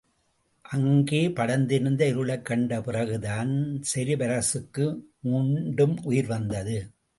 அங்கே படர்ந்திருந்த இருளைக் கண்ட பிறகுதான் செரிபரஸுக்கு மீண்டும் உயிர் வந்தது!